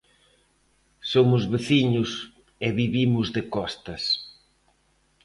Somos veciños e vivimos de costas.